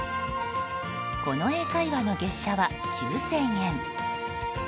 この英会話の月謝は、９０００円。